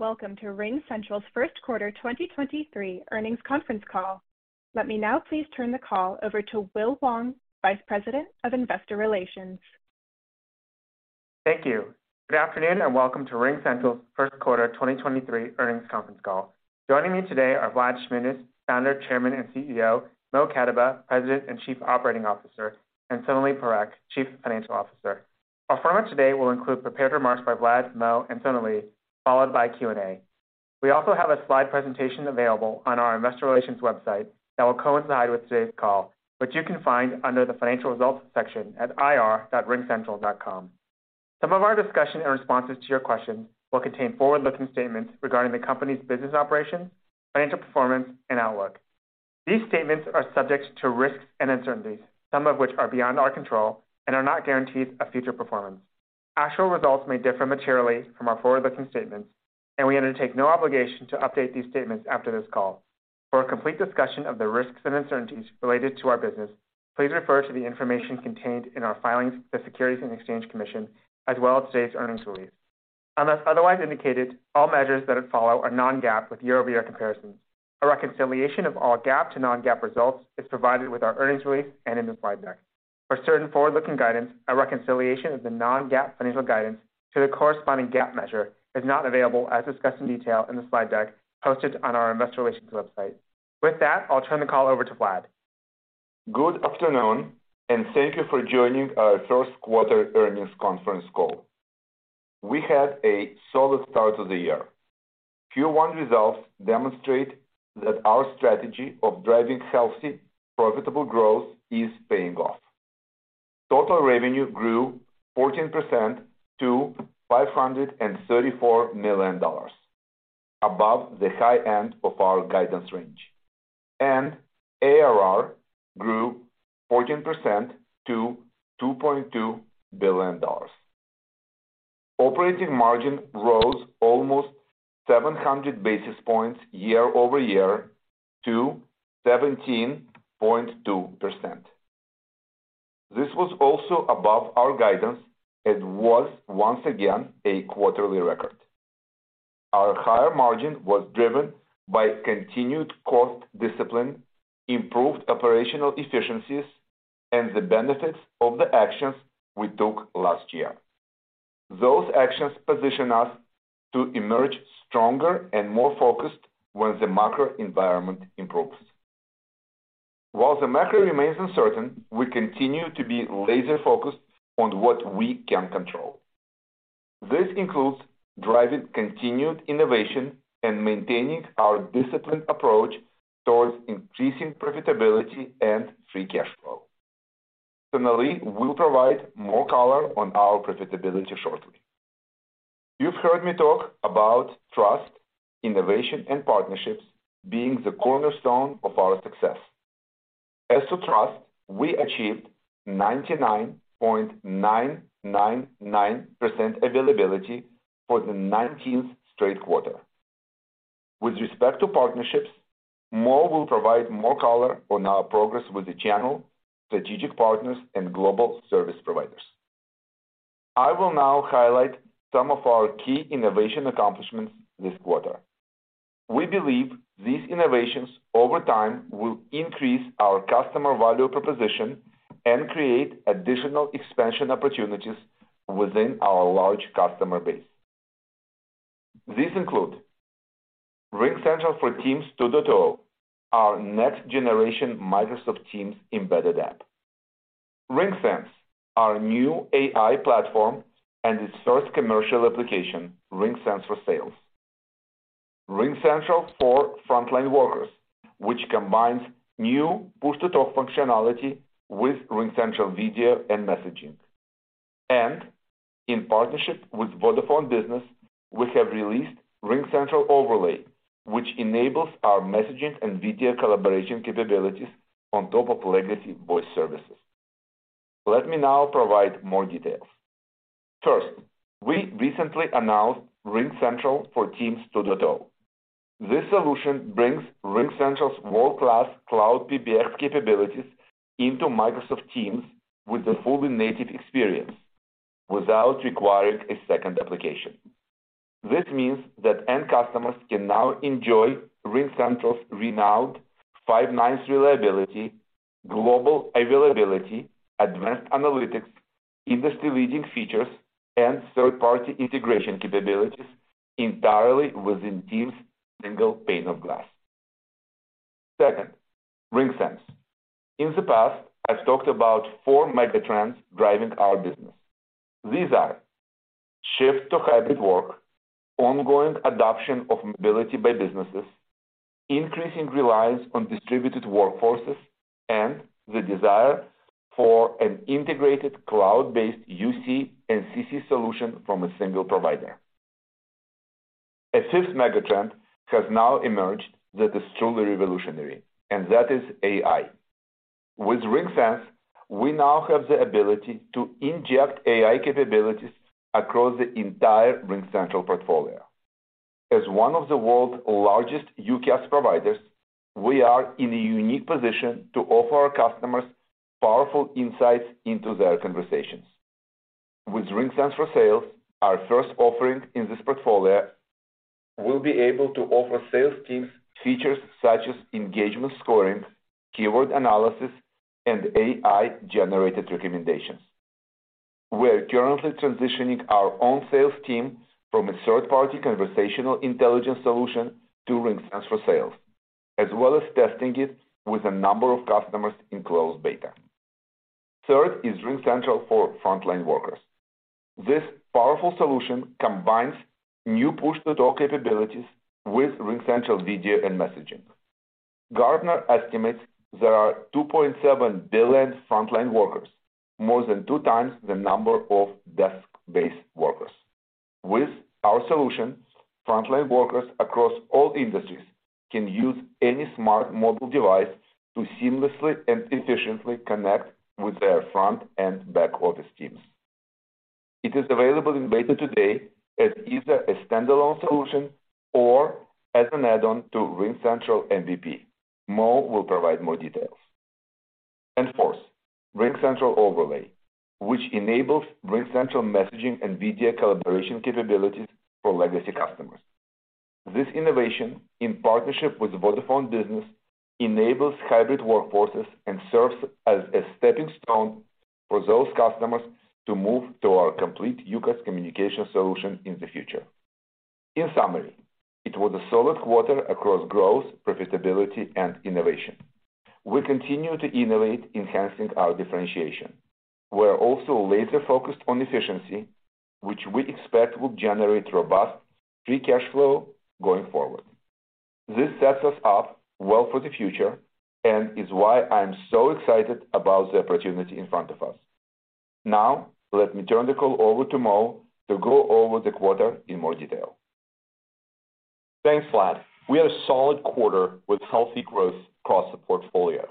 Hello, welcome to RingCentral's first quarter 2023 earnings conference call. Let me now please turn the call over to Will Wong, Vice President of Investor Relations. Thank you. Good afternoon, and welcome to RingCentral's 1st-quarter 2023 earnings conference call. Joining me today are Vlad Shmunis, Founder, Chairman, and CEO, Mo Katibeh, President and Chief Operating Officer, and Sonalee Parekh, Chief Financial Officer. Our format today will include prepared remarks by Vlad, Mo, and Sonalee, followed by Q&A. We also have a slide presentation available on our investor relations website that will coincide with today's call, which you can find under the Financial Results section at ir.ringcentral.com. Some of our discussion and responses to your questions will contain forward-looking statements regarding the company's business operations, financial performance, and outlook. These statements are subject to risks and uncertainties, some of which are beyond our control and are not guarantees of future performance. Actual results may differ materially from our forward-looking statements, and we undertake no obligation to update these statements after this call. For a complete discussion of the risks and uncertainties related to our business, please refer to the information contained in our filings with the Securities and Exchange Commission, as well as today's earnings release. Unless otherwise indicated, all measures that follow are non-GAAP with year-over-year comparisons. A reconciliation of all GAAP to non-GAAP results is provided with our earnings release and in the slide deck. For certain forward-looking guidance, a reconciliation of the non-GAAP financial guidance to the corresponding GAAP measure is not available, as discussed in detail in the slide deck posted on our investor relations website. With that, I'll turn the call over to Vlad. Good afternoon, thank you for joining our first quarter earnings conference call. We had a solid start to the year. Q1 results demonstrate that our strategy of driving healthy, profitable growth is paying off. Total revenue grew 14% to $534 million, above the high end of our guidance range. ARR grew 14% to $2.2 billion. Operating margin rose almost 700 basis points year-over-year to 17.2%. This was also above our guidance and was once again a quarterly record. Our higher margin was driven by continued cost discipline, improved operational efficiencies, and the benefits of the actions we took last year. Those actions position us to emerge stronger and more focused when the macro environment improves. While the macro remains uncertain, we continue to be laser-focused on what we can control. This includes driving continued innovation and maintaining our disciplined approach towards increasing profitability and free cash flow. Sonalee will provide more color on our profitability shortly. You've heard me talk about trust, innovation, and partnerships being the cornerstone of our success. As to trust, we achieved 99.999% availability for the 19th straight quarter. With respect to partnerships, Mo will provide more color on our progress with the channel, strategic partners, and global service providers. I will now highlight some of our key innovation accomplishments this quarter. We believe these innovations over time will increase our customer value proposition and create additional expansion opportunities within our large customer base. These include RingCentral for Teams 2.0, our next-generation Microsoft Teams embedded app. RingSense, our new AI platform, and its first commercial application, RingSense for Sales. RingCentral for Frontline Workers, which combines new push-to-talk functionality with RingCentral Video and messaging. In partnership with Vodafone Business, we have released RingCentral Overlay, which enables our messaging and video collaboration capabilities on top of legacy voice services. Let me now provide more details. First, we recently announced RingCentral for Teams 2.0. This solution brings RingCentral's world-class cloud PBX capabilities into Microsoft Teams with a fully native experience without requiring a second application. This means that end customers can now enjoy RingCentral's renowned 5 nines reliability, global availability, advanced analytics, industry-leading features, and third-party integration capabilities entirely within Teams' single pane of glass. Second, RingSense. In the past, I've talked about 4 megatrends driving our business. These are shift to hybrid work, ongoing adoption of mobility by businesses, increasing reliance on distributed workforces, and the desire for an integrated cloud-based UC and CC solution from a single provider. A fifth megatrend has now emerged that is truly revolutionary, that is AI. With RingSense, we now have the ability to inject AI capabilities across the entire RingCentral portfolio. As one of the world's largest UCaaS providers, we are in a unique position to offer our customers, powerful insights into their conversations. With RingSense for Sales, our first offering in this portfolio, we'll be able to offer sales teams features such as engagement scoring, keyword analysis, and AI-generated recommendations. We're currently transitioning our own sales team from a third-party conversational intelligence solution to RingSense for Sales, as well as testing it with a number of customers in closed beta. Third is RingCentral for frontline workers. This powerful solution combines new push-to-talk capabilities with RingCentral Video and messaging. Gartner estimates there are 2.7 billion frontline workers, more than 2 times the number of desk-based workers. With our solution, frontline workers across all industries can use any smart mobile device to seamlessly and efficiently connect with their front and back-office teams. It is available in beta today as either a standalone solution or as an add-on to RingCentral MVP. Mo will provide more details. Fourth, RingCentral Overlay, which enables RingCentral messaging and video collaboration capabilities for legacy customers. This innovation in partnership with Vodafone Business enables hybrid workforces and serves as a stepping stone for those customers to move to our complete UCaaS communication solution in the future. In summary, it was a solid quarter across growth, profitability, and innovation. We continue to innovate, enhancing our differentiation. We're also laser-focused on efficiency, which we expect will generate robust free cash flow going forward. This sets us up well for the future and is why I'm so excited about the opportunity in front of us. Now, let me turn the call over to Mo to go over the quarter in more detail. Thanks, Vlad. We had a solid quarter with healthy growth across the portfolio.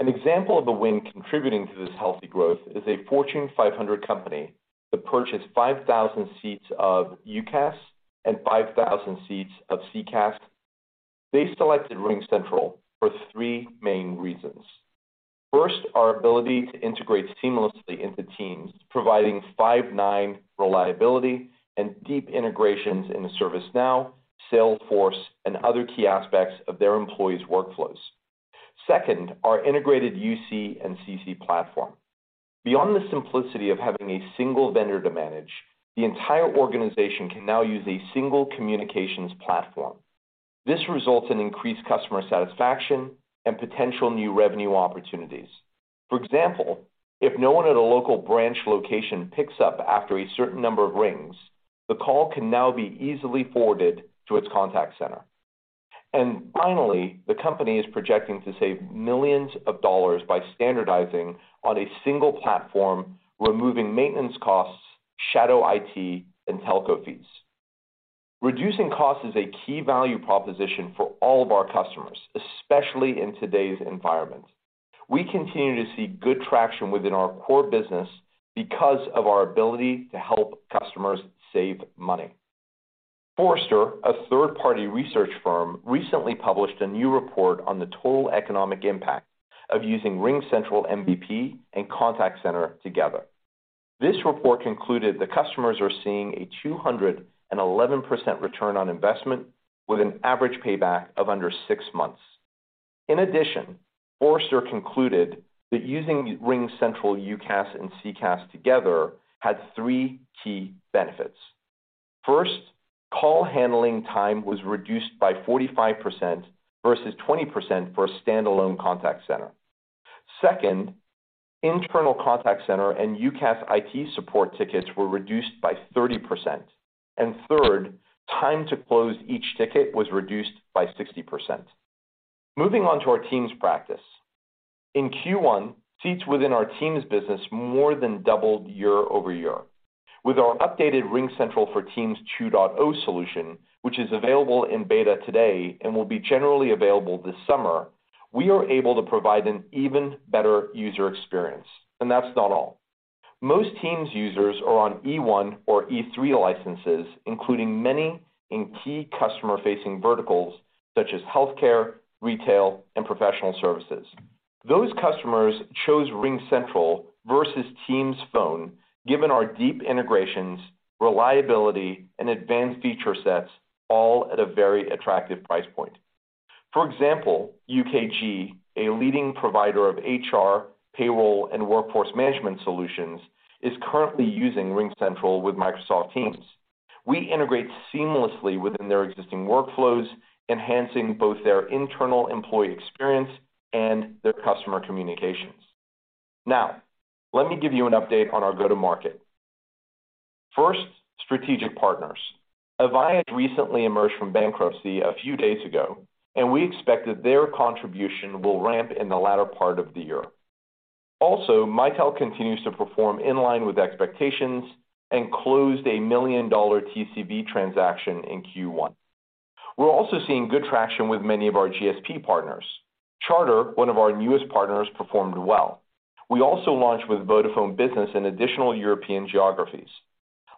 An example of a win contributing to this healthy growth is a Fortune 500 company that purchased 5,000 seats of UCaaS and 5,000 seats of CCaaS. They selected RingCentral for three main reasons. First, our ability to integrate seamlessly into Teams, providing 5 9 reliability and deep integrations into ServiceNow, Salesforce, and other key aspects of their employees' workflows. Second, our integrated UC and CC platform. Beyond the simplicity of having a single vendor to manage, the entire organization can now use a single communications platform. This results in increased customer satisfaction and potential new revenue opportunities. For example, if no one at a local branch location picks up after a certain number of rings, the call can now be easily forwarded to its contact center. Finally, the company is projecting to save $ millions by standardizing on a single platform, removing maintenance costs, shadow IT, and telco fees. Reducing cost is a key value proposition for all of our customers, especially in today's environment. We continue to see good traction within our core business because of our ability to help customers save money. Forrester, a third-party research firm, recently published a new report on the total economic impact of using RingCentral MVP and Contact Center together. This report concluded that customers are seeing a 211% ROI with an average payback of under 6 months. In addition, Forrester concluded that using RingCentral UCaaS and CCaaS together had three key benefits. First, call handling time was reduced by 45% versus 20% for a standalone contact center. Second, internal Contact Center and UCaaS IT support tickets were reduced by 30%. Third, time to close each ticket was reduced by 60%. Moving on to our Teams practice. In Q1, seats within our Teams business more than doubled year-over-year. With our updated RingCentral for Teams 2.0 solution, which is available in beta today and will be generally available this summer, we are able to provide an even better user experience. That's not all. Most Teams users are on E1 or E3 licenses, including many in key customer-facing verticals such as healthcare, retail, and professional services. Those customers chose RingCentral versus Teams Phone given our deep integrations, reliability, and advanced feature sets, all at a very attractive price point. For example, UKG, a leading provider of HR, payroll, and workforce management solutions, is currently using RingCentral with Microsoft Teams. We integrate seamlessly within their existing workflows, enhancing both their internal employee experience and their customer communications. Let me give you an update on our go-to-market. First, strategic partners. Avaya recently emerged from bankruptcy a few days ago. We expect that their contribution will ramp in the latter part of the year. Mitel continues to perform in line with expectations and closed a million-dollar TCV transaction in Q1. We're also seeing good traction with many of our GSP partners. Charter, one of our newest partners, performed well. We also launched with Vodafone Business in additional European geographies.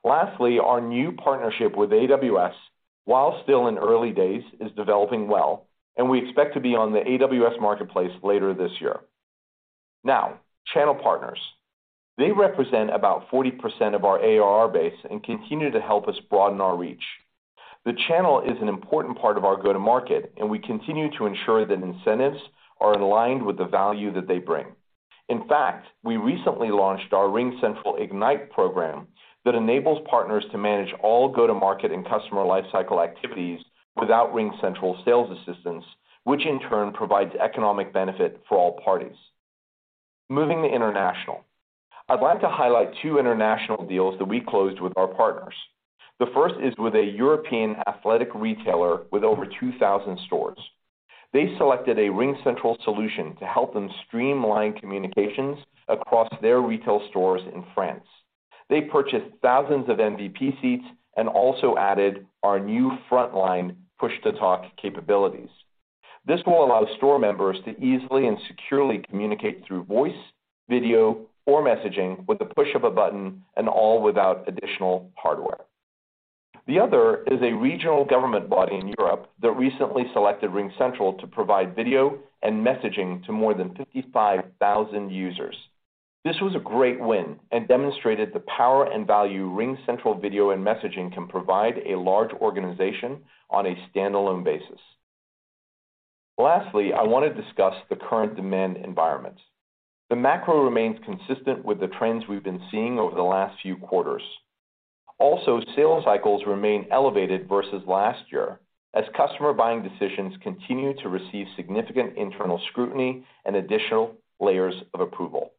Lastly, our new partnership with AWS, while still in early days, is developing well. We expect to be on the AWS Marketplace later this year. Channel partners. They represent about 40% of our ARR base and continue to help us broaden our reach. The channel is an important part of our go-to-market. We continue to ensure that incentives are aligned with the value that they bring. In fact, we recently launched our RingCentral IGNITE! program that enables partners to manage all go-to-market and customer lifecycle activities without RingCentral sales assistance, which in turn provides economic benefit for all parties. Moving to international. I'd like to highlight 2 international deals that we closed with our partners. The first is with a European athletic retailer with over 2,000 stores. They selected a RingCentral solution to help them streamline communications across their retail stores in France. They purchased thousands of MVP seats and also added our new frontline push-to-talk capabilities. This will allow store members to easily and securely communicate through voice, video, or messaging with the push of a button and all without additional hardware. The other is a regional government body in Europe that recently selected RingCentral to provide video and messaging to more than 55,000 users. This was a great win and demonstrated the power and value RingCentral video and messaging can provide a large organization on a standalone basis. Lastly, I want to discuss the current demand environment. The macro remains consistent with the trends we've been seeing over the last few quarters. Sales cycles remain elevated versus last year as customer buying decisions continue to receive significant internal scrutiny and additional layers of approval.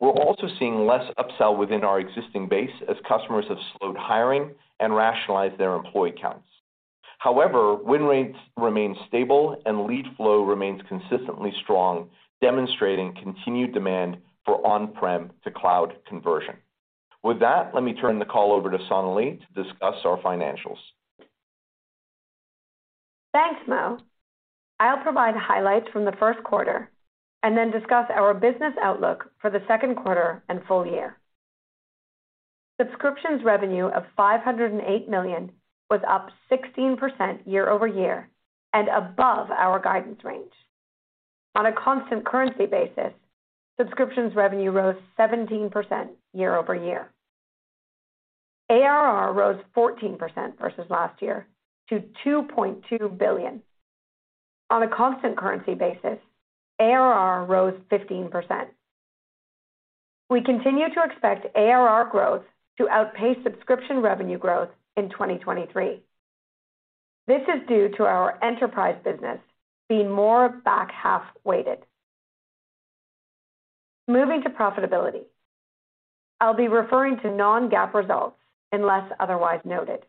We're also seeing less upsell within our existing base as customers have slowed hiring and rationalize their employee counts. Win rates remain stable, and lead flow remains consistently strong, demonstrating continued demand for on-prem to cloud conversion. With that, let me turn the call over to Sonalee to discuss our financials. Thanks, Mo. I'll provide highlights from the first quarter and then discuss our business outlook for the second quarter and full year. Subscriptions revenue of $508 million was up 16% year-over-year and above our guidance range. On a constant currency basis, subscriptions revenue rose 17% year-over-year. ARR rose 14% versus last year to $2.2 billion. On a constant currency basis, ARR rose 15%. We continue to expect ARR growth to outpace subscription revenue growth in 2023. This is due to our enterprise business being more back-half weighted. Moving to profitability. I'll be referring to non-GAAP results unless otherwise noted.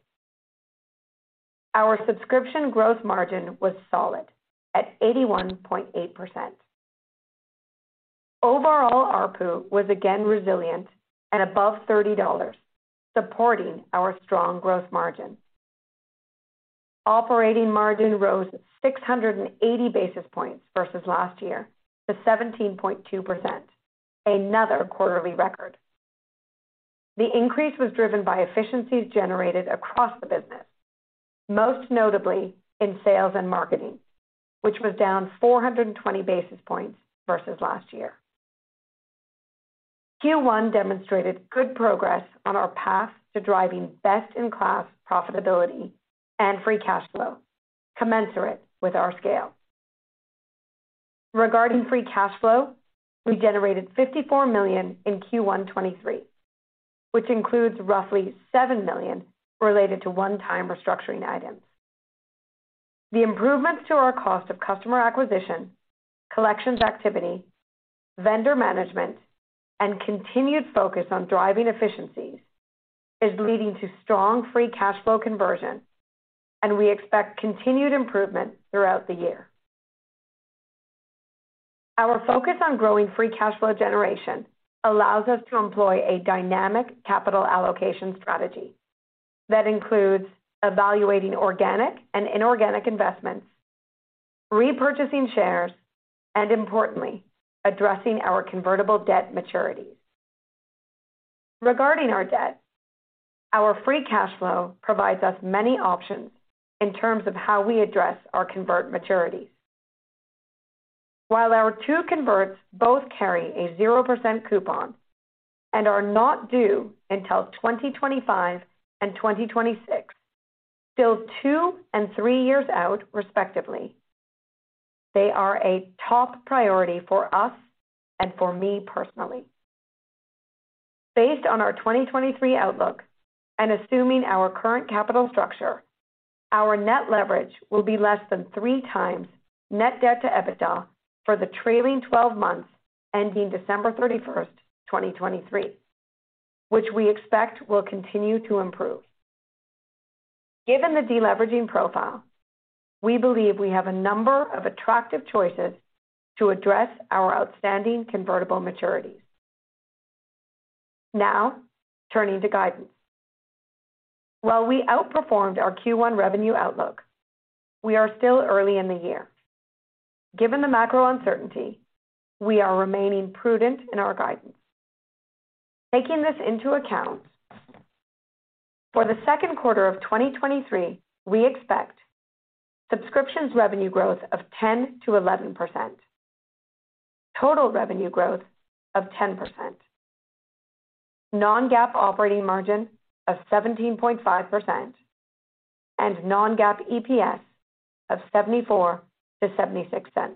Our subscription growth margin was solid at 81.8%. Overall ARPU was again resilient and above $30, supporting our strong growth margin. Operating margin rose 680 basis points versus last year to 17.2%, another quarterly record. The increase was driven by efficiencies generated across the business, most notably in sales and marketing, which was down 420 basis points versus last year. Q1 demonstrated good progress on our path to driving best-in-class profitability and free cash flow commensurate with our scale. Regarding free cash flow, we generated $54 million in Q1 2023, which includes roughly $7 million related to one-time restructuring items. The improvements to our cost of customer acquisition, collections activity, vendor management, and continued focus on driving efficiencies is leading to strong free cash flow conversion, and we expect continued improvement throughout the year. Our focus on growing free cash flow generation allows us to employ a dynamic capital allocation strategy that includes evaluating organic and inorganic investments, repurchasing shares, and importantly, addressing our convertible debt maturities. Regarding our debt, our free cash flow provides us many options in terms of how we address our convert maturities. While our 2 converts both carry a 0% coupon and are not due until 2025 and 2026, still 2 and 3 years out, respectively, they are a top priority for us and for me personally. Based on our 2023 outlook and assuming our current capital structure, our net leverage will be less than 3 times net debt to EBITDA for the trailing 12 months ending December 31st, 2023, which we expect will continue to improve. Given the deleveraging profile, we believe we have a number of attractive choices to address our outstanding convertible maturities. Turning to guidance. While we outperformed our Q1 revenue outlook, we are still early in the year. Given the macro uncertainty, we are remaining prudent in our guidance. Taking this into account, for the second quarter of 2023, we expect subscriptions revenue growth of 10-11%. Total revenue growth of 10%. Non-GAAP operating margin of 17.5%, and non-GAAP EPS of $0.74-0.76.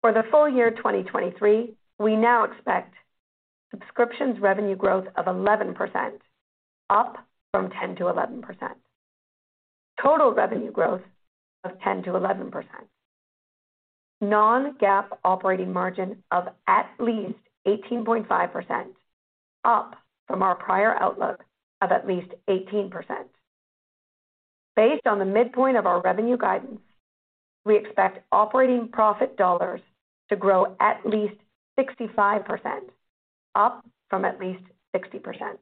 For the full year 2023, we now expect subscriptions revenue growth of 11%, up from 10-11%. Total revenue growth of 10-11%. Non-GAAP operating margin of at least 18.5%, up from our prior outlook of at least 18%. Based on the midpoint of our revenue guidance, we expect operating profit dollars to grow at least 65%, up from at least 60%.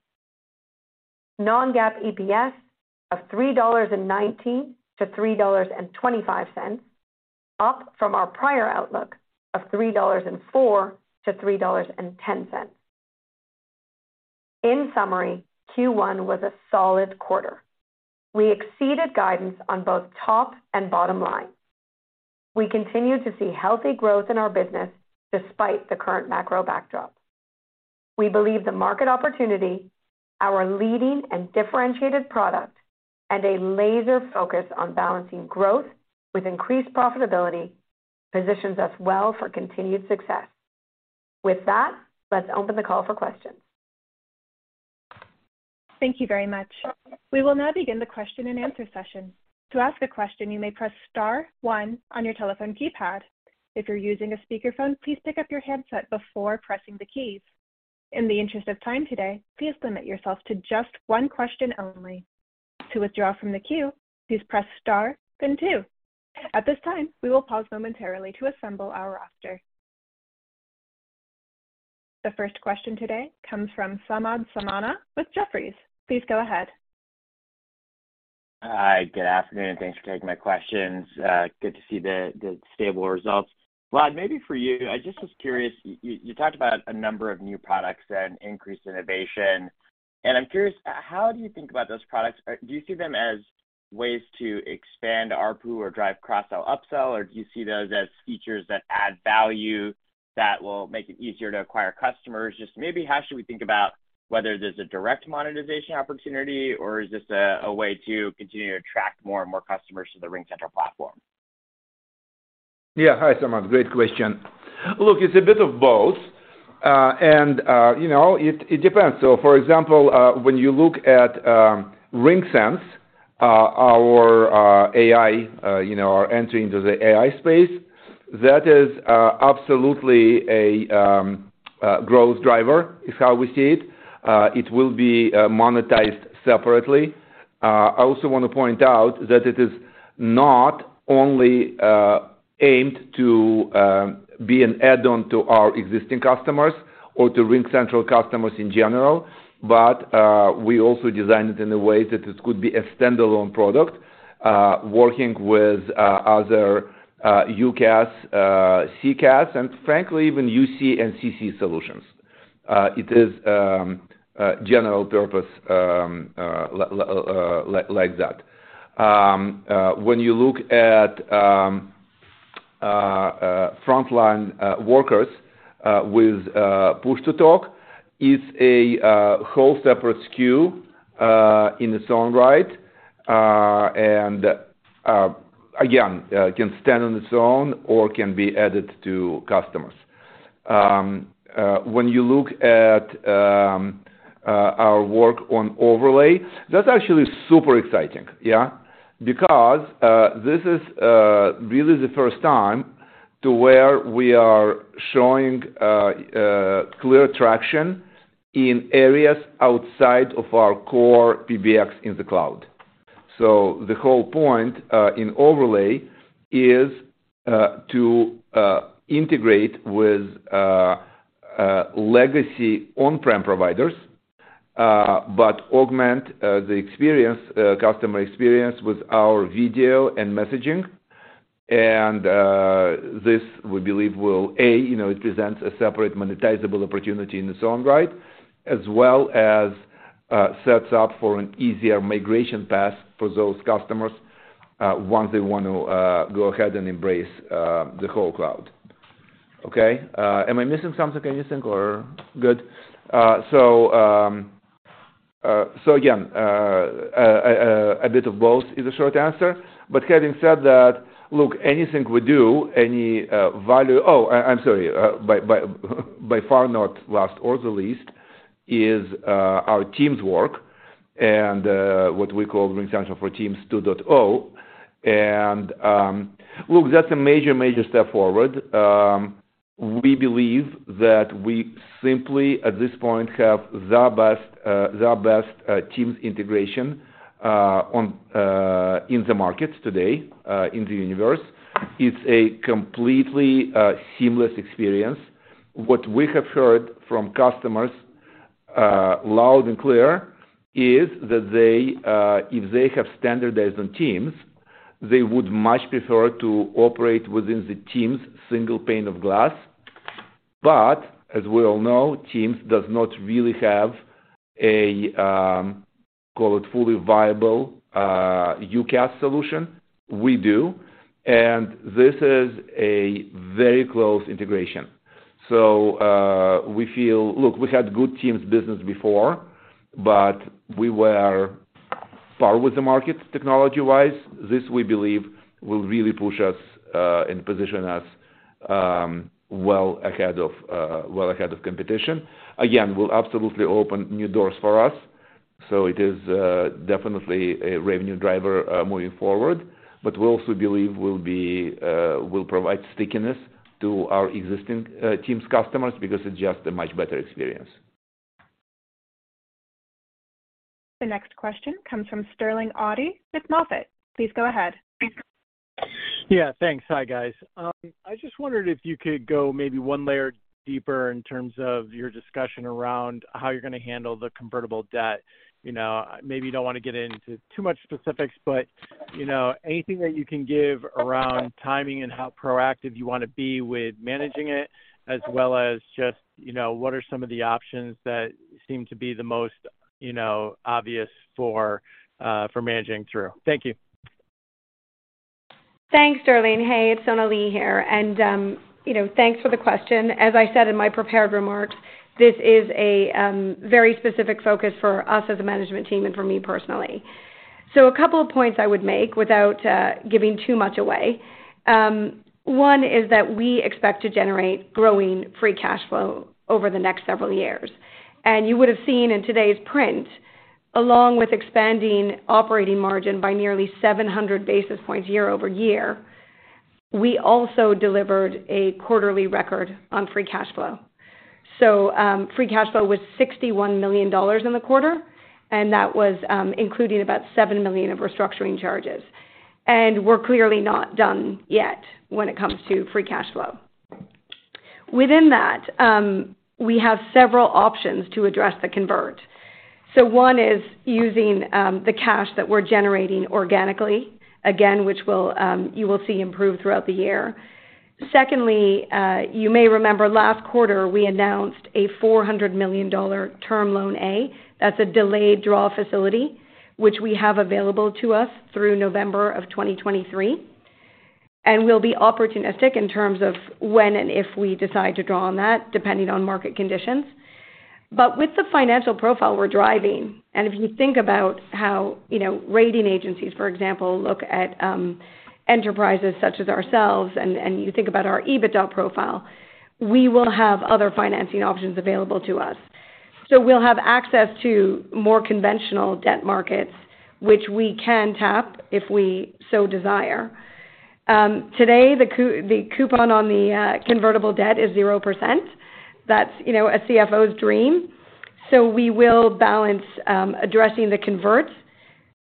Non-GAAP EPS of $3.90-$3.25, up from our prior outlook of $3.04-$3.10. In summary, Q1 was a solid quarter. We exceeded guidance on both top and bottom line. We continue to see healthy growth in our business despite the current macro backdrop. We believe the market opportunity, our leading and differentiated product, and a laser focus on balancing growth with increased profitability positions us well for continued success. With that, let's open the call for questions. Thank you very much. We will now begin the question and answer session. To ask a question, you may press star one on your telephone keypad. If you're using a speaker phone, please pick up your handset before pressing the keys. In the interest of time today, please limit yourself to just one question only. To withdraw from the queue, please press star then two. At this time, we will pause momentarily to assemble our roster. The first question today comes from Samad Samana with Jefferies. Please go ahead. Hi. Good afternoon. Thanks for taking my questions. Good to see the stable results. Vlad, maybe for you, I just was curious. You talked about a number of new products and increased innovation. I'm curious, how do you think about those products? Do you see them as ways to expand ARPU or drive cross-sell, upsell? Do you see those as features that add value that will make it easier to acquire customers? Just maybe how should we think about whether there's a direct monetization opportunity or is this a way to continue to attract more and more customers to the RingCentral platform? Hi, Samad. Great question. Look, it's a bit of both, and it depends. For example, when you look at RingSense, our AI, our entry into the AI space, that is absolutely a growth driver, is how we see it. It will be monetized separately. I also want to point out that it is not only aimed to be an add-on to our existing customers or to RingCentral customers in general, but we also designed it in a way that it could be a standalone product, working with other UCaaS, CCaaS, and frankly, even UC and CC solutions. It is a general purpose like that. When you look at frontline workers with push-to-talk, it's a whole separate SKU in its own right. Again, can stand on its own or can be added to customers. When you look at our work on overlay, that's actually super exciting. Yeah. Because this is really the first time to where we are showing clear traction in areas outside of our core PBX in the cloud. The whole point in overlay is to integrate with legacy on-prem providers, but augment the experience, customer experience with our video and messaging. This, we believe will, A, you know, it presents a separate monetizable opportunity in its own right, as well as, sets up for an easier migration path for those customers, once they want to, go ahead and embrace, the whole cloud. Okay. Am I missing something, anything, or good? So, again, a bit of both is a short answer. Having said that, look, anything we do, any, value... Oh, I'm sorry. By far not last or the least is, our Teams work and, what we call RingCentral for Teams 2.0. Look, that's a major step forward. We believe that we simply, at this point, have the best, the best, Teams integration, on, in the market today, in the universe. It's a completely seamless experience. What we have heard from customers loud and clear is that they, if they have standardized on Teams, they would much prefer to operate within the Teams single pane of glass. As we all know, Teams does not really have a call it fully viable UCaaS solution. We do. This is a very close integration. We feel. Look, we had good Teams business before, but we were par with the market technology-wise. This, we believe, will really push us and position us well ahead of competition. Will absolutely open new doors for us. It is definitely a revenue driver moving forward. We also believe we'll provide stickiness to our existing Teams customers because it's just a much better experience. The next question comes from Sterling Auty with MoffettNathanson. Please go ahead. Yeah, thanks. Hi, guys. I just wondered if you could go maybe one layer deeper in terms of your discussion around how you're gonna handle the convertible debt. You know, maybe you don't wanna get into too much specifics, but, you know, anything that you can give around timing and how proactive you wanna be with managing it, as well as just, you know, what are some of the options that seem to be the most, you know, obvious for managing through? Thank you. Thanks, Sterling. Hey, it's Sonalee here. You know, thanks for the question. As I said in my prepared remarks, this is a very specific focus for us as a management team and for me personally. A couple of points I would make without giving too much away. One is that we expect to generate growing free cash flow over the next several years. You would have seen in today's print, along with expanding operating margin by nearly 700 basis points year-over-year, we also delivered a quarterly record on free cash flow. Free cash flow was $61 million in the quarter, and that was including about $7 million of restructuring charges. We're clearly not done yet when it comes to free cash flow. Within that, we have several options to address the convert. One is using the cash that we're generating organically, again, which you will see improve throughout the year. Secondly, you may remember last quarter we announced a $400 million Term Loan A. That's a delayed draw facility, which we have available to us through November of 2023, and we'll be opportunistic in terms of when and if we decide to draw on that, depending on market conditions. With the financial profile we're driving, and if you think about how, you know, rating agencies, for example, look at enterprises such as ourselves and you think about our EBITDA profile, we will have other financing options available to us. We'll have access to more conventional debt markets, which we can tap if we so desire. Today, the coupon on the convertible debt is 0%. That's, you know, a CFO's dream. We will balance addressing the converts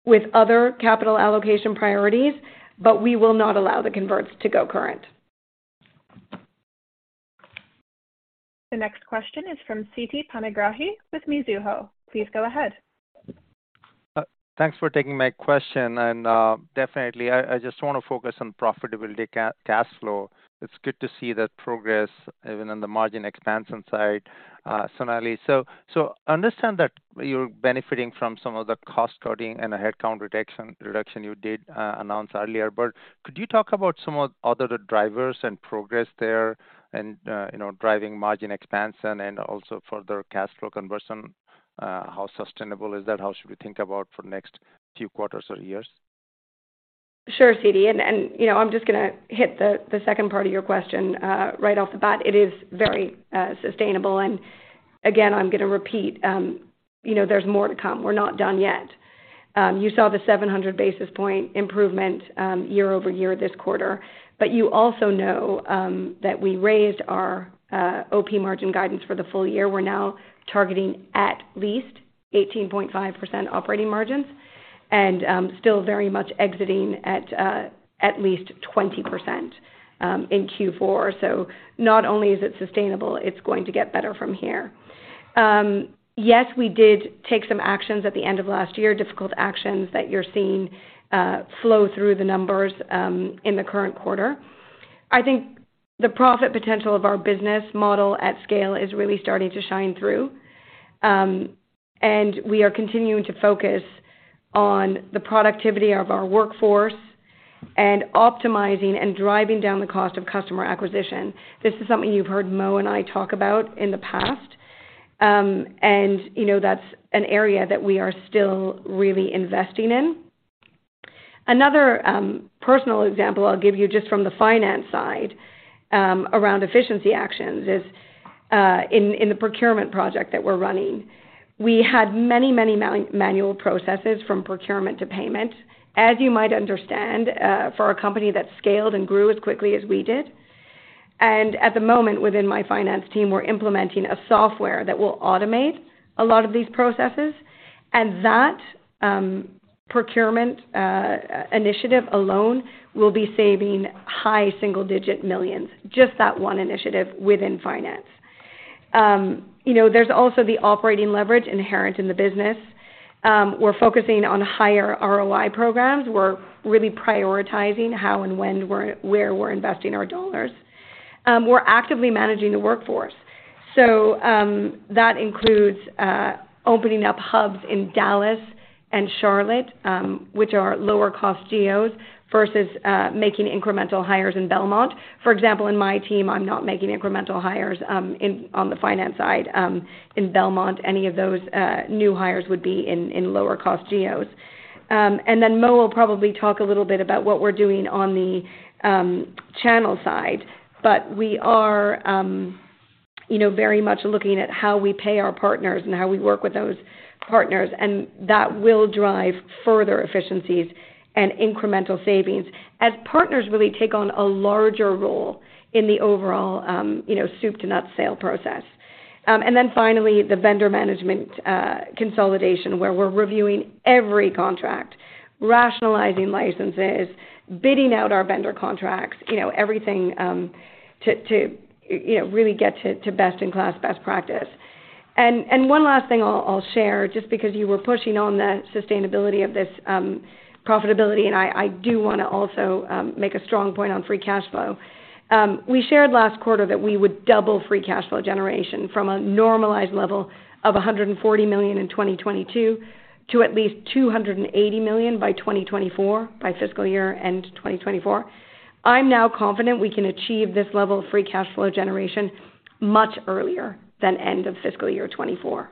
with other capital allocation priorities, but we will not allow the converts to go current. The next question is from Siti Panigrahi with Mizuho. Please go ahead. Thanks for taking my question. Definitely, I just wanna focus on profitability cash flow. It's good to see that progress even on the margin expansion side, Sonalee. Understand that you're benefiting from some of the cost cutting and the headcount reduction you did announce earlier, but could you talk about some of other drivers and progress there and, you know, driving margin expansion and also further cash flow conversion? How sustainable is that? How should we think about for next few quarters or years? Sure, Siti. You know, I'm just gonna hit the second part of your question right off the bat. It is very sustainable. Again, I'm gonna repeat, you know, there's more to come. We're not done yet. You saw the 700 basis point improvement year-over-year this quarter, but you also know that we raised our OP margin guidance for the full year. We're now targeting at least 18.5% operating margins and still very much exiting at at least 20% in Q4. Not only is it sustainable, it's going to get better from here. Yes, we did take some actions at the end of last year, difficult actions that you're seeing flow through the numbers in the current quarter. I think the profit potential of our business model at scale is really starting to shine through. We are continuing to focus on the productivity of our workforce and optimizing and driving down the cost of customer acquisition. This is something you've heard Mo and I talk about in the past. You know, that's an area that we are still really investing in. Another personal example I'll give you just from the finance side, around efficiency actions is, in the procurement project that we're running. We had many man-manual processes from procurement to payment, as you might understand, for a company that scaled and grew as quickly as we did. At the moment, within my finance team, we're implementing a software that will automate a lot of these processes. That Procurement initiative alone will be saving high single-digit millions, just that one initiative within finance. You know, there's also the operating leverage inherent in the business. We're focusing on higher ROI programs. We're really prioritizing how and where we're investing our dollars. We're actively managing the workforce. That includes opening up hubs in Dallas and Charlotte, which are lower cost geos versus making incremental hires in Belmont. For example, in my team, I'm not making incremental hires on the finance side in Belmont. Any of those new hires would be in lower cost geos. Mo will probably talk a little bit about what we're doing on the channel side. We are, you know, very much looking at how we pay our partners and how we work with those partners, and that will drive further efficiencies and incremental savings as partners really take on a larger role in the overall, you know, soup to nuts sale process. Finally, the vendor management consolidation, where we're reviewing every contract, rationalizing licenses, bidding out our vendor contracts, you know, everything, to, you know, really get to best in class, best practice. One last thing I'll share, just because you were pushing on the sustainability of this profitability, and I do wanna also make a strong point on free cash flow. We shared last quarter that we would double free cash flow generation from a normalized level of $140 million in 2022 to at least $280 million by 2024, by fiscal year end 2024. I'm now confident we can achieve this level of free cash flow generation much earlier than end of fiscal year 2024.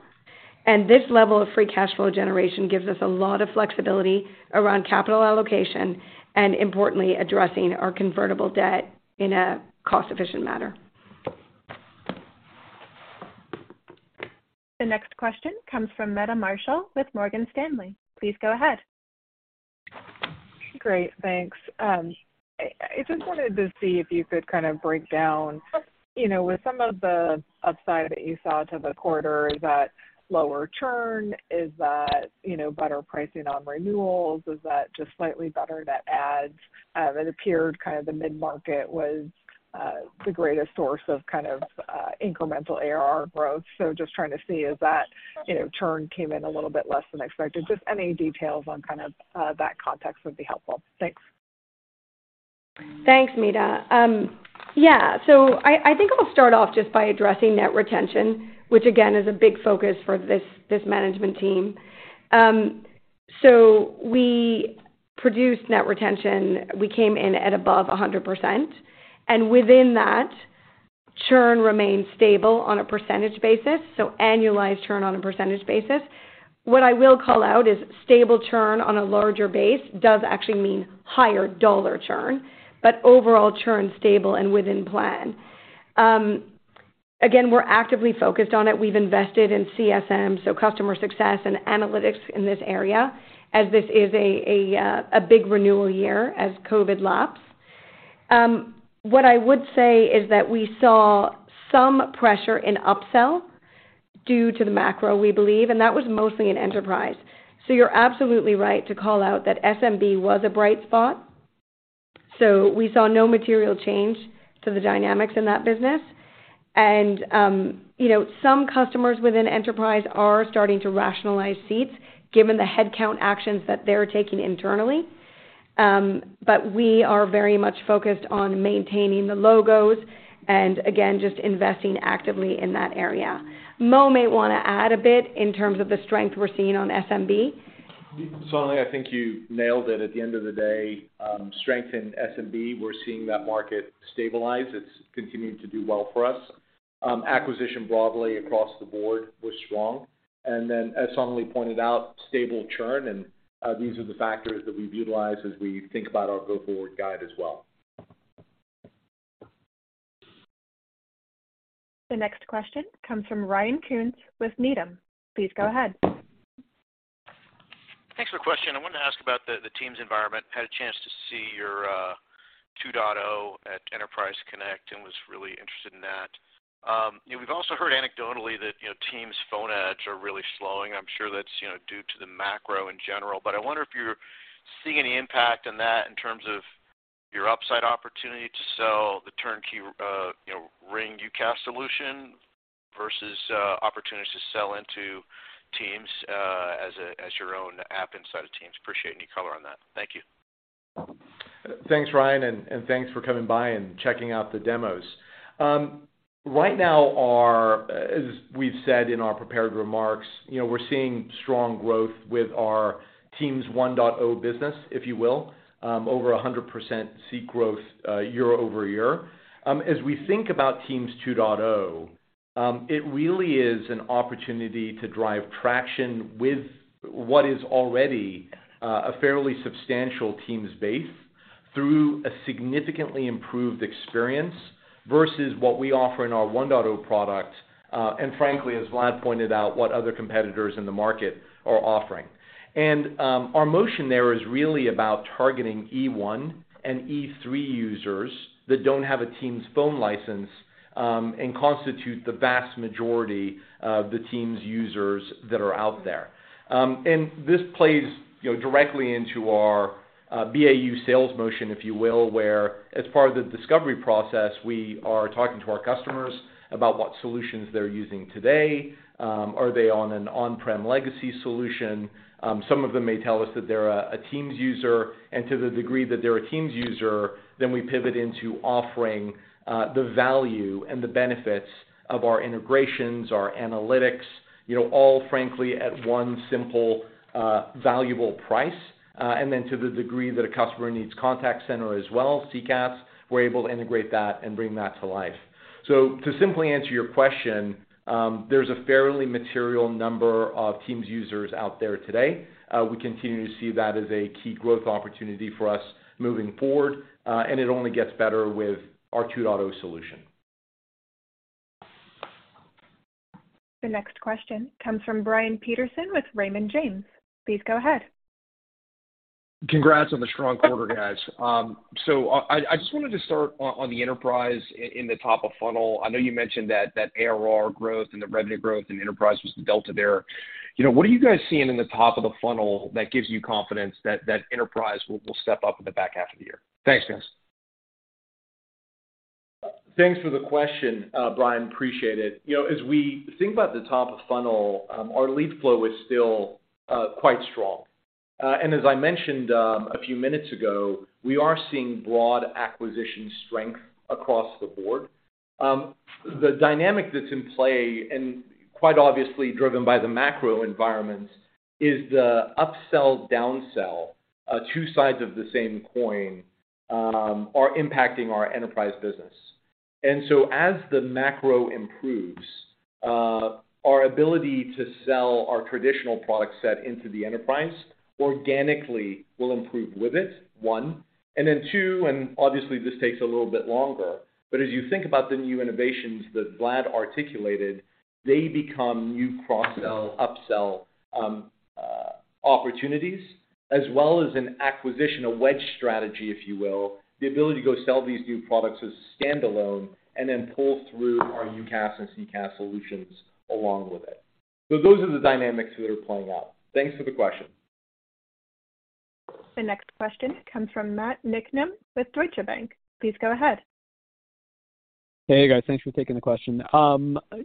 This level of free cash flow generation gives us a lot of flexibility around capital allocation and importantly addressing our convertible debt in a cost-efficient manner. The next question comes from Meta Marshall with Morgan Stanley. Please go ahead. Great. Thanks. I just wanted to see if you could kind of break down, you know, with some of the upside that you saw to the quarter, is that lower churn? Is that, you know, better pricing on renewals? Is that just slightly better net adds? It appeared kind of the mid-market was the greatest source of kind of incremental ARR growth. Just trying to see is that, you know, churn came in a little bit less than expected. Just any details on kind of that context would be helpful. Thanks. Thanks, Meta. Yeah. I think I'll start off just by addressing net retention, which again, is a big focus for this management team. We produced net retention. We came in at above 100%, within that, churn remained stable on a percentage basis, annualized churn on a percentage basis. What I will call out is stable churn on a larger base does actually mean higher dollar churn, overall churn stable and within plan. Again, we're actively focused on it. We've invested in CSM, so customer success and analytics in this area, as this is a big renewal year as COVID laps. What I would say is that we saw some pressure in upsell due to the macro, we believe, that was mostly in enterprise. You're absolutely right to call out that SMB was a bright spot, so we saw no material change to the dynamics in that business. You know, some customers within enterprise are starting to rationalize seats given the headcount actions that they're taking internally. But we are very much focused on maintaining the logos and again, just investing actively in that area. Mo may wanna add a bit in terms of the strength we're seeing on SMB. Sonal, I think you nailed it. At the end of the day, strength in SMB, we're seeing that market stabilize. It's continuing to do well for us. Acquisition broadly across the board was strong. As Sonal pointed out, stable churn, these are the factors that we've utilized as we think about our go-forward guide as well. The next question comes from Ryan Koontz with Needham. Please go ahead. Thanks for the question. I wanted to ask about the Teams environment. Had a chance to see your 2.0 at Enterprise Connect and was really interested in that. You know, we've also heard anecdotally that, you know, Teams Phone Edge are really slowing. I'm sure that's, you know, due to the macro in general. I wonder if you're seeing any impact on that in terms of your upside opportunity to sell the turnkey, you know, RingCentral UCaaS solution versus opportunities to sell into Teams as your own app inside of Teams. Appreciate any color on that. Thank you. Thanks, Ryan, and thanks for coming by and checking out the demos. Right now as we've said in our prepared remarks, you know, we're seeing strong growth with our Teams 1.0 business, if you will, over 100% seek growth year-over-year. As we think about Teams 2.0, it really is an opportunity to drive traction with what is already a fairly substantial Teams base through a significantly improved experience versus what we offer in our 1.0 product, and frankly, as Vlad pointed out, what other competitors in the market are offering. Our motion there is really about targeting E1 and E3 users that don't have a Teams Phone license and constitute the vast majority of the Teams users that are out there. This plays, you know, directly into our BAU sales motion, if you will, where as part of the discovery process, we are talking to our customers about what solutions they're using today, are they on an on-prem legacy solution? Some of them may tell us that they're a Teams user, and to the degree that they're a Teams user, then we pivot into offering the value and the benefits of our integrations, our analytics, you know, all frankly at one simple, valuable price. To the degree that a customer needs contact center as well, CCaaS, we're able to integrate that and bring that to life. To simply answer your question, there's a fairly material number of Teams users out there today. We continue to see that as a key growth opportunity for us moving forward, and it only gets better with our 2.0 solution. The next question comes from Brian Peterson with Raymond James. Please go ahead. Congrats on the strong quarter, guys. I just wanted to start on the enterprise in the top of funnel. I know you mentioned that ARR growth and the revenue growth in enterprise was the delta there. You know, what are you guys seeing in the top of the funnel that gives you confidence that enterprise will step up in the back half of the year? Thanks, guys. Thanks for the question, Brian, appreciate it. You know, as we think about the top of funnel, our lead flow is still quite strong. As I mentioned, a few minutes ago, we are seeing broad acquisition strength across the board. The dynamic that's in play, and quite obviously driven by the macro environment, is the upsell, downsell, two sides of the same coin, are impacting our enterprise business. As the macro improves, our ability to sell our traditional product set into the enterprise organically will improve with it, one. Then two, and obviously this takes a little bit longer, but as you think about the new innovations that Vlad articulated, they become new cross-sell, upsell, opportunities as well as an acquisition, a wedge strategy, if you will. The ability to go sell these new products as standalone and then pull through our UCaaS and CCaaS solutions along with it. Those are the dynamics that are playing out. Thanks for the question. The next question comes from Matt Niknam with Deutsche Bank. Please go ahead. Hey, guys. Thanks for taking the question.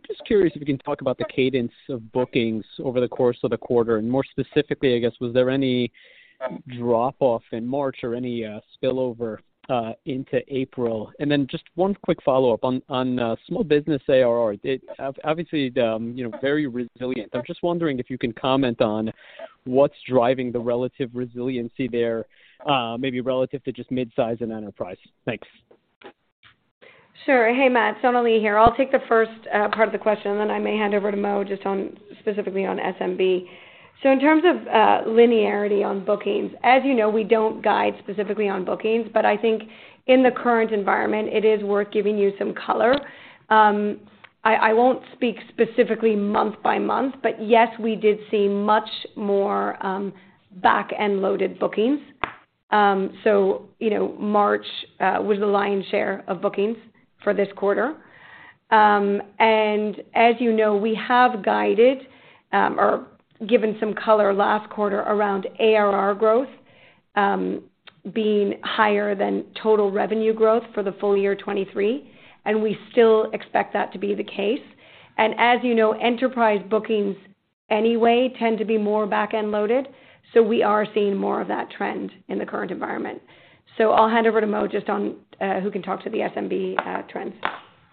Just curious if you can talk about the cadence of bookings over the course of the quarter. More specifically, I guess, was there any drop-off in March or any spillover into April? Just one quick follow-up on, small business ARR. It obviously, you know, very resilient. I'm just wondering if you can comment on what's driving the relative resiliency there, maybe relative to just midsize and enterprise. Thanks. Sure. Hey, Matt, Sonalee here. I'll take the first part of the question, and then I may hand over to Mo just on specifically on SMB. In terms of linearity on bookings, as you know, we don't guide specifically on bookings, but I think in the current environment, it is worth giving you some color. I won't speak specifically month by month, but yes, we did see much more back-end loaded bookings. So, you know, March was the lion's share of bookings for this quarter. As you know, we have guided or given some color last quarter around ARR growth being higher than total revenue growth for the full year 2023, and we still expect that to be the case. As you know, enterprise bookings anyway tend to be more back-end loaded, we are seeing more of that trend in the current environment. I'll hand over to Mo just on, who can talk to the SMB trends.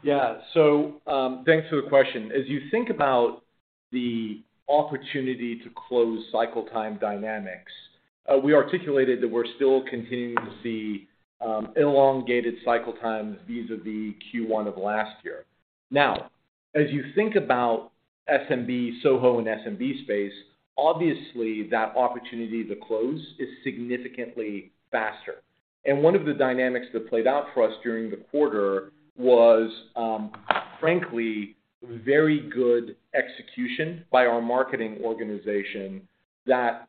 Thanks for the question. As you think about the opportunity to close cycle time dynamics, we articulated that we're still continuing to see elongated cycle times vis-à-vis Q1 of last year. As you think about SMB, SOHO and SMB space, obviously that opportunity to close is significantly faster. One of the dynamics that played out for us during the quarter was frankly, very good execution by our marketing organization that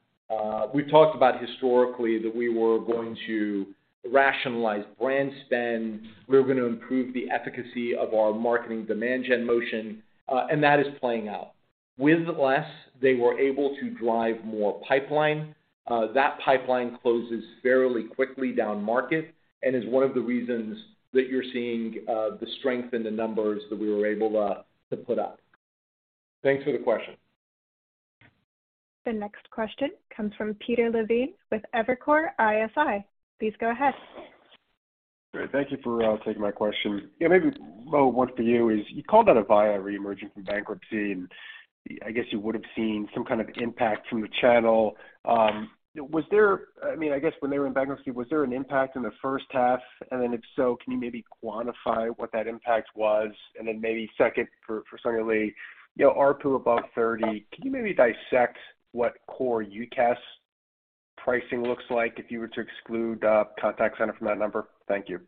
we've talked about historically that we were going to rationalize brand spend, we were gonna improve the efficacy of our marketing demand gen motion, and that is playing out. With less, they were able to drive more pipeline. That pipeline closes fairly quickly down market and is one of the reasons that you're seeing the strength in the numbers that we were able to put up. Thanks for the question. The next question comes from Peter Levine with Evercore ISI. Please go ahead. Great. Thank you for taking my question. Yeah, maybe, Mo Katibeh, one for you is you called out Avaya reemerging from bankruptcy. I guess you would've seen some kind of impact from the channel. I mean, I guess when they were in bankruptcy, was there an impact in the first half? If so, can you maybe quantify what that impact was? Maybe second, for Sonalee Parekh, you know, ARPU above 30, can you maybe dissect what core UCaaS Pricing looks like if you were to exclude, contact center from that number. Thank you.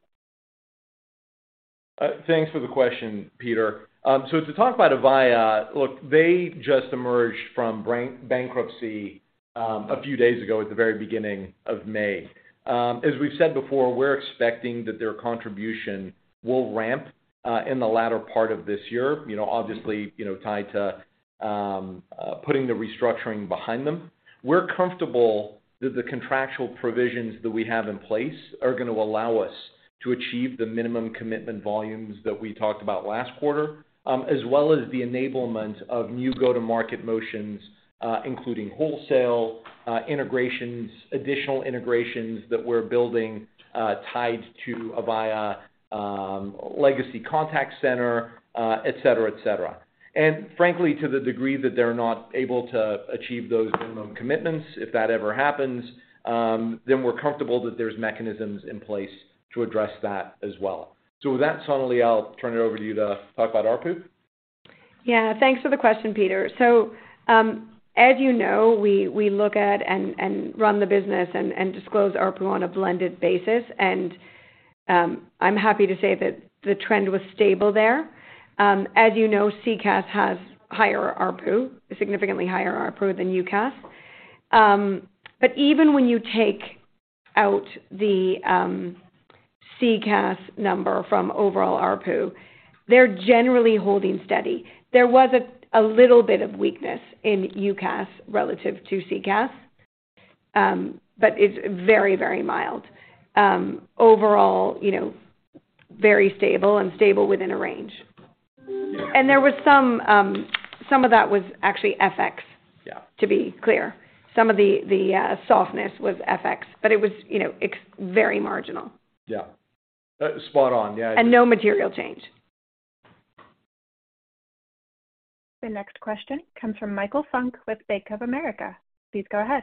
Thanks for the question, Peter. To talk about Avaya, look, they just emerged from bankruptcy a few days ago at the very beginning of May. As we've said before, we're expecting that their contribution will ramp in the latter part of this year. You know, obviously, you know, tied to putting the restructuring behind them. We're comfortable that the contractual provisions that we have in place are gonna allow us to achieve the minimum commitment volumes that we talked about last quarter, as well as the enablement of new go-to-market motions, including wholesale, integrations, additional integrations that we're building, tied to Avaya, legacy contact center, et cetera, et cetera. To the degree that they're not able to achieve those minimum commitments, if that ever happens, then we're comfortable that there's mechanisms in place to address that as well. With that, Sonalee, I'll turn it over to you to talk about ARPU. Yeah. Thanks for the question, Peter. As you know, we look at and run the business and disclose ARPU on a blended basis, and I'm happy to say that the trend was stable there. As you know, CCaaS has higher ARPU, significantly higher ARPU than UCaaS. But even when you take out the CCaaS number from overall ARPU, they're generally holding steady. There was a little bit of weakness in UCaaS relative to CCaaS, but it's very mild. Overall, you know, very stable and stable within a range. Yeah. There was some of that was actually FX. Yeah to be clear. Some of the softness was FX, but it was, you know, very marginal. Yeah. spot on. No material change. The next question comes from Michael Funk with Bank of America. Please go ahead.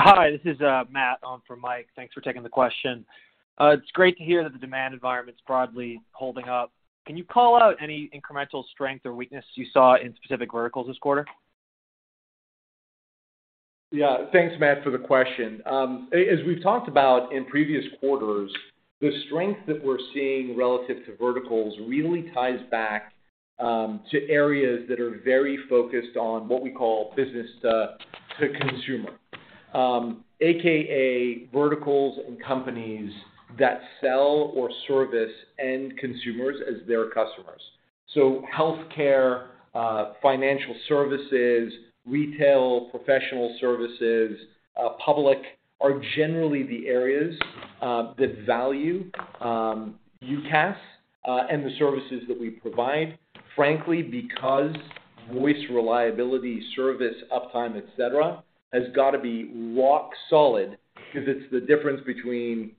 Hi, this is Matt on for Mike. Thanks for taking the question. It's great to hear that the demand environment's broadly holding up. Can you call out any incremental strength or weakness you saw in specific verticals this quarter? Thanks, Matt, for the question. As we've talked about in previous quarters, the strength that we're seeing relative to verticals really ties back to areas that are very focused on what we call business to consumer. AKA verticals and companies that sell or service end consumers as their customers. Healthcare, financial services, retail, professional services, public are generally the areas that value UCaaS and the services that we provide, frankly because voice reliability, service, uptime, et cetera, has gotta be rock solid 'cause it's the difference between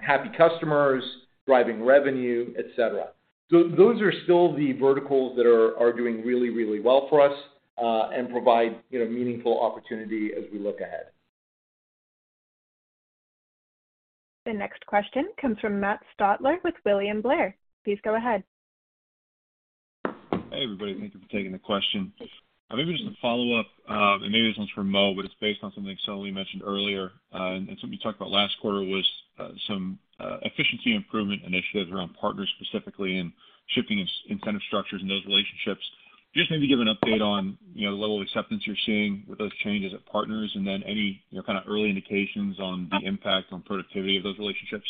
happy customers driving revenue, et cetera. Those are still the verticals that are doing really, really well for us and provide, you know, meaningful opportunity as we look ahead. The next question comes from Matt Stotler with William Blair. Please go ahead. Hey, everybody. Thank you for taking the question. Maybe just a follow-up, and maybe this one's for Mo, but it's based on something Sonalee mentioned earlier, and something you talked about last quarter was some efficiency improvement initiatives around partners specifically and shifting incentive structures in those relationships. Just maybe give an update on, you know, the level of acceptance you're seeing with those changes at partners and then any, you know, kind of early indications on the impact on productivity of those relationships.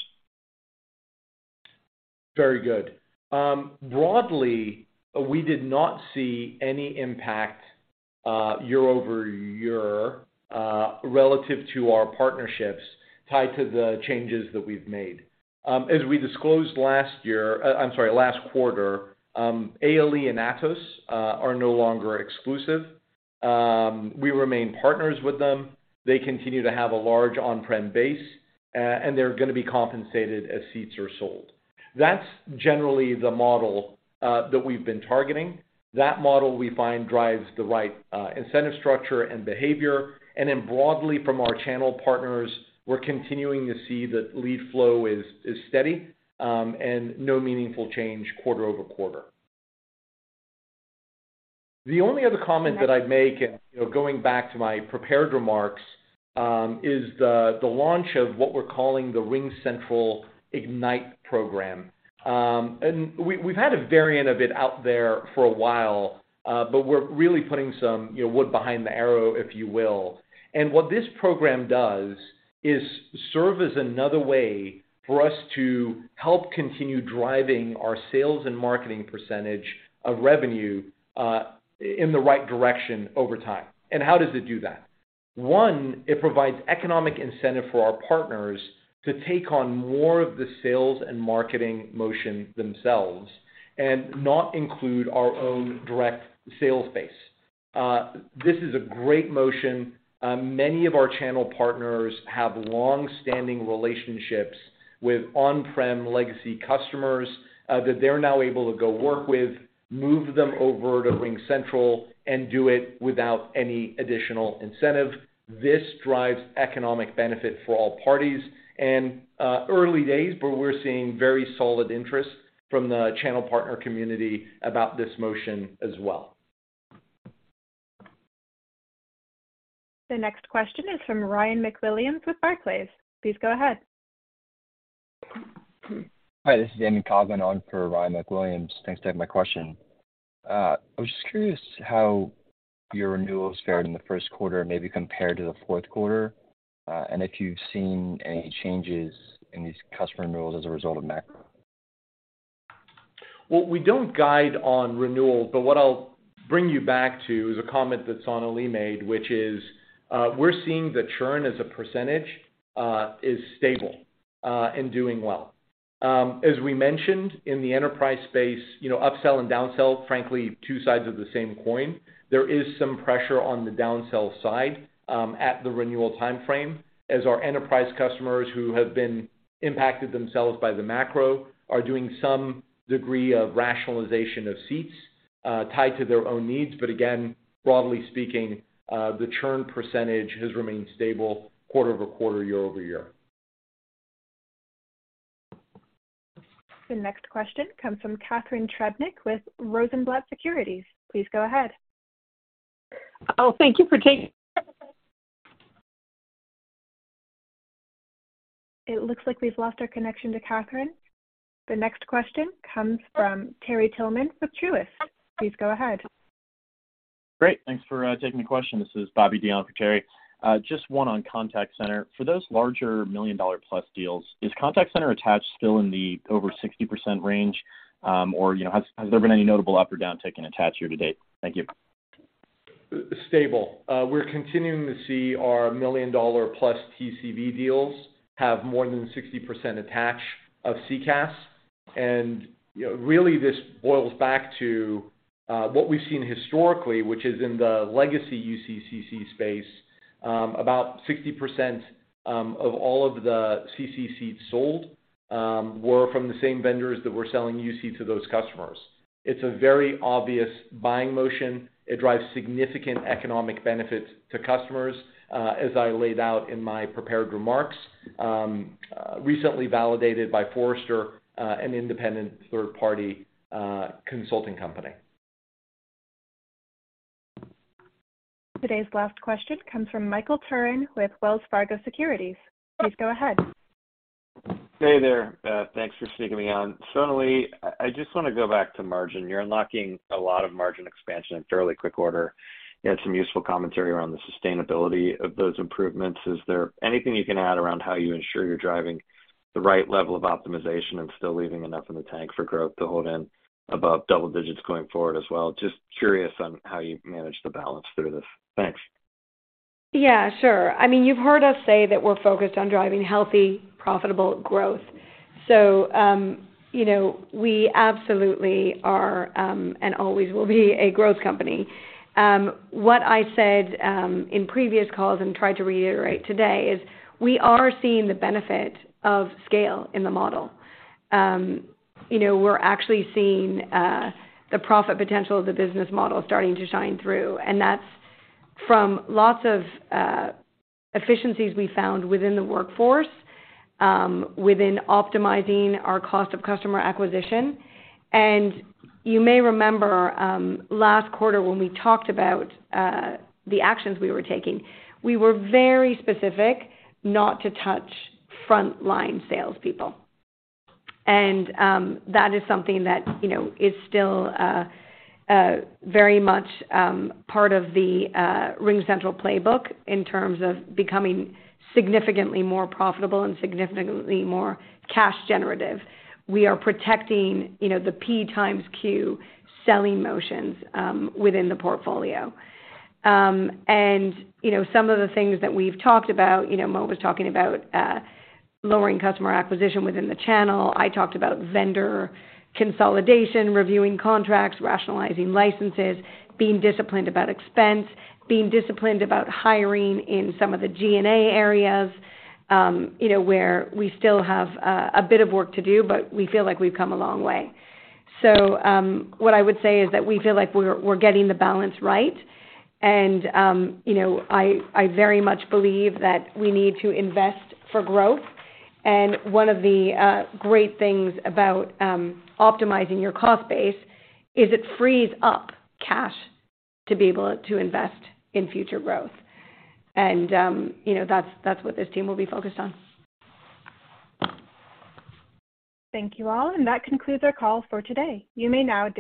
Very good. Broadly, we did not see any impact year-over-year relative to our partnerships tied to the changes that we've made. As we disclosed last year, last quarter, ALE and Atos are no longer exclusive. We remain partners with them. They continue to have a large on-prem base, and they're gonna be compensated as seats are sold. That's generally the model that we've been targeting. That model we find drives the right incentive structure and behavior. Broadly from our channel partners, we're continuing to see that lead flow is steady, and no meaningful change quarter-over-quarter. The only other comment that I'd make and going back to my prepared remarks, is the launch of what we're calling the RingCentral IGNITE! program. We've had a variant of it out there for a while, but we're really putting some, you know, wood behind the arrow, if you will. What this program does is serve as another way for us to help continue driving our sales and marketing % of revenue in the right direction over time. How does it do that? One, it provides economic incentive for our partners to take on more of the sales and marketing motion themselves and not include our own direct sales base. This is a great motion. Many of our channel partners have long-standing relationships with on-prem legacy customers that they're now able to go work with, move them over to RingCentral and do it without any additional incentive. This drives economic benefit for all parties. Early days, but we're seeing very solid interest from the channel partner community about this motion as well. The next question is from Ryan McWilliams with Barclays. Please go ahead. Hi, this is Amy Coggin on for Ryan McWilliams. Thanks for taking my question. I was just curious how your renewals fared in the first quarter maybe compared to the fourth quarter, and if you've seen any changes in these customer renewals as a result of macro. We don't guide on renewal, but what I'll bring you back to is a comment that Sonalee made, which is, we're seeing the churn as a %, is stable, and doing well. As we mentioned in the enterprise space, you know, upsell and downsell, frankly two sides of the same coin. There is some pressure on the downsell side, at the renewal timeframe, as our enterprise customers who have been impacted themselves by the macro are doing some degree of rationalization of seats, tied to their own needs. Again, broadly speaking, the churn % has remained stable quarter-over-quarter, year-over-year. The next question comes from Catherine Trebnick with Rosenblatt Securities. Please go ahead. It looks like we've lost our connection to Catherine. The next question comes from Terry Tillman with Truist. Please go ahead. Great. Thanks for taking the question. This is Bobby Dion for Terry. Just one on contact center. For those larger $1 million-plus deals, is contact center attach still in the over 60% range? You know, has there been any notable up or downtick in attach year to date? Thank you. Stable. We're continuing to see our $1 million-plus TCV deals have more than 60% attach of CCaaS. You know, really this boils back to what we've seen historically, which is in the legacy UC CC space, about 60% of all of the CC seats sold, were from the same vendors that were selling UC to those customers. It's a very obvious buying motion. It drives significant economic benefit to customers, as I laid out in my prepared remarks, recently validated by Forrester, an independent third-party, consulting company. Today's last question comes from Michael Turrin with Wells Fargo Securities. Please go ahead. Hey there. Thanks for sticking me on. Sonalee, I just wanna go back to margin. You're unlocking a lot of margin expansion in fairly quick order. You had some useful commentary around the sustainability of those improvements. Is there anything you can add around how you ensure you're driving the right level of optimization and still leaving enough in the tank for growth to hold in above double digits going forward as well? Just curious on how you manage the balance through this. Thanks. Yeah, sure. I mean, you've heard us say that we're focused on driving healthy, profitable growth. You know, we absolutely are and always will be a growth company. What I said in previous calls and tried to reiterate today is we are seeing the benefit of scale in the model. You know, we're actually seeing the profit potential of the business model starting to shine through, and that's from lots of efficiencies we found within the workforce, within optimizing our cost of customer acquisition. You may remember last quarter when we talked about the actions we were taking, we were very specific not to touch frontline salespeople. That is something that, you know, is still very much part of the RingCentral playbook in terms of becoming significantly more profitable and significantly more cash generative. We are protecting, you know, the P times Q selling motions within the portfolio. Some of the things that we've talked about, you know, Mo was talking about lowering customer acquisition within the channel. I talked about vendor consolidation, reviewing contracts, rationalizing licenses, being disciplined about expense, being disciplined about hiring in some of the G&A areas, you know, where we still have a bit of work to do, but we feel like we've come a long way. What I would say is that we feel like we're getting the balance right. You know, I very much believe that we need to invest for growth. One of the great things about optimizing your cost base is it frees up cash to be able to invest in future growth. You know, that's what this team will be focused on. Thank you all. That concludes our call for today. You may now disconnect.